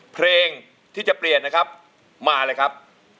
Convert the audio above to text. เพลงที่จะเปลี่ยนนะครับมาเลยครับ